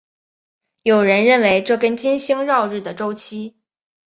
有人认为这跟金星绕日的周期。